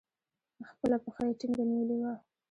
خپله پښه يې ټينگه نيولې وه.